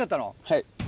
はい。